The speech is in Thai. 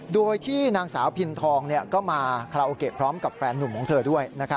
โดยที่นางสาวพินทองก็มาคาราโอเกะพร้อมกับแฟนหนุ่มของเธอด้วย